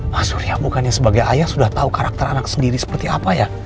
mas surya bukannya sebagai ayah sudah tahu karakter anak sendiri seperti apa ya